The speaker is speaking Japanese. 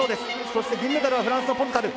そして銀メダルはフランスのポルタル。